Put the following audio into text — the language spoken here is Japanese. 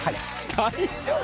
大丈夫？